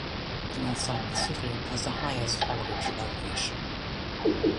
The north side of the city has the highest average elevation.